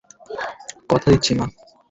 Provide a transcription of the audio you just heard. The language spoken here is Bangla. কথা দিচ্ছি, মা।